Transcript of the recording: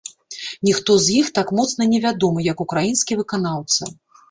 Ніхто з іх так моцна не вядомы, як украінскі выканаўца.